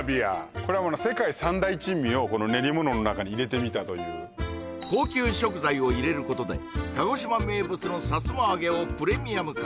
これは世界三大珍味を練り物の中に入れてみたという高級食材を入れることで鹿児島名物のさつま揚げをプレミアム化